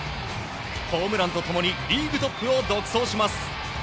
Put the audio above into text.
ホームランと共にリーグトップを独走します。